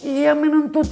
iya menuntut ilmu